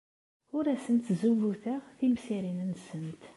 Ur asent-ttzubuteɣ timsirin-nsent.